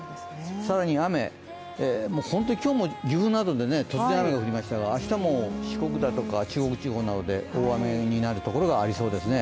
更に雨、本当に今日も岐阜などで突然雨が降りましたが明日も四国だとか中国地方などで大雨になるところがありそうですね。